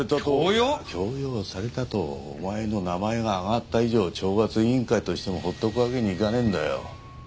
強要されたとお前の名前が挙がった以上懲罰委員会としても放っておくわけにいかねえんだよ。